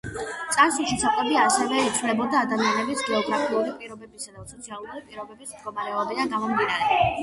წარსულში, საკვები ასევე იცვლებოდა ადამიანების გეოგრაფიული პირობებისა და სოციალური პირობების მდგომარეობიდან გამომდინარე.